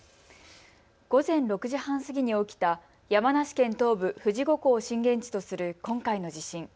午前６時半過ぎに起きた山梨県東部、富士五湖を震源とする今回の地震。